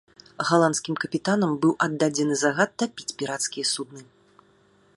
Галандскім капітанам быў аддадзены загад тапіць пірацкія судны.